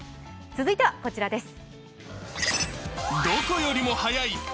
続いては、こちらです。